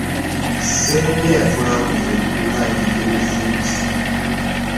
Ssebunya yatulambuzza edduuka lye ery'ebizimbisibwa.